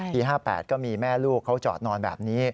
๕๘ก็มีแม่ลูกเขาจอดนอนแบบนี้